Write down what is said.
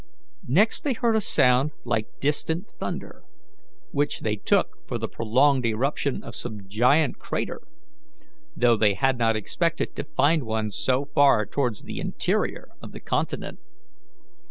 Next they heard a sound like distant thunder, which they took for the prolonged eruption of some giant crater, though they had not expected to find one so far towards the interior of the continent.